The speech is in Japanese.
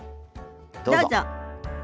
どうぞ。